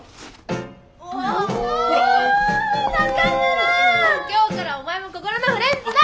中村今日からお前も心のフレンズだ！